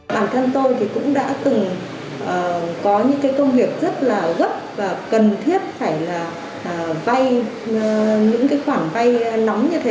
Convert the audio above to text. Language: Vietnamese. bản thân tôi cũng đã từng có những công việc rất là gấp và cần thiết phải vay những khoản vay nóng như thế